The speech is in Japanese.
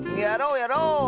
やろうやろう！